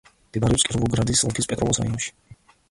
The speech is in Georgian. მდებარეობს კიროვოგრადის ოლქის პეტროვოს რაიონში.